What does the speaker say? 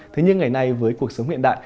thế nhưng ngày nay với cuộc sống hiện đại